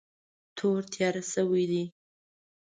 تور تیار شوی دی.